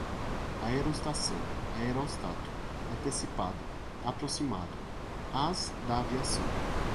aerostação, aeróstato, antecipado, aproximado, ás da aviação